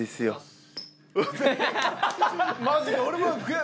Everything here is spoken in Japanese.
マジか俺も。